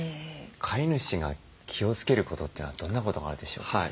飼い主が気をつけることというのはどんなことがあるでしょう？